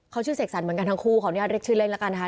เขาชื่อเสกสรรเหมือนกันทั้งคู่ขออนุญาตเรียกชื่อเล่นแล้วกันนะคะ